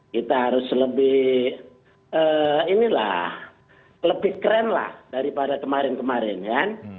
kita harus lebih keren daripada kemarin kemarin